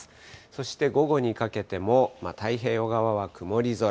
そして午後にかけても、太平洋側は曇り空。